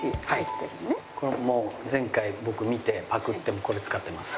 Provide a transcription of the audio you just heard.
これも前回僕見てパクってこれ使ってます。